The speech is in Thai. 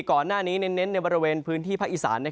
ก่อนหน้านี้เน้นในบริเวณพื้นที่ภาคอีสาน